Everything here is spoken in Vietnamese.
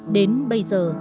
đến bây giờ